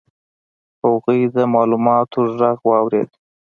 هغوی د ماشومانو غږ واورید.